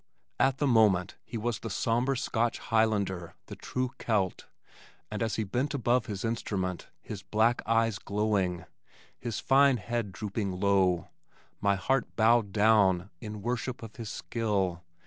At the moment he was the somber Scotch Highlander, the true Celt, and as he bent above his instrument his black eyes glowing, his fine head drooping low, my heart bowed down in worship of his skill.